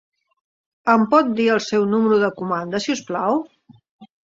Em pot dir el seu número de comanda, si us plau?